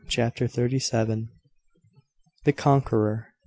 CHAPTER THIRTY SEVEN. THE CONQUEROR.